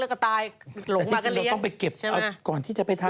แต่จริงเราต้องไปเก็บก่อนที่จะไปทาง